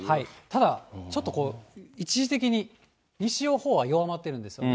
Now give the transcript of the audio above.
ただ、ちょっと一時的に西のほうは弱まってるんですよね。